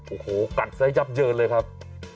โอ้โหกัดซะยับเยินเลยครับ